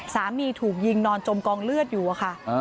สามีถูกยิงนอนจมกองเลือดอยู่อะค่ะ